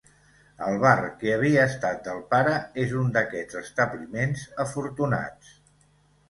El bar que havia estat del pare és un d'aquests establiments afortunats.